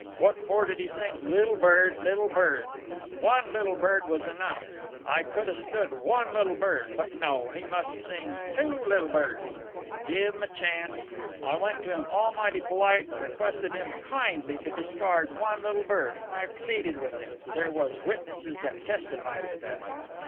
What for did he sing 'little bird, little bird'? One little bird was enough. I could a stood one little bird. But no, he must sing two little birds. I gave 'm a chanst. I went to him almighty polite and requested him kindly to discard one little bird. I pleaded with him. There was witnesses that testified to that.